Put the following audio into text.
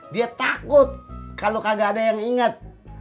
dia takut kalau kagak ada yang ingat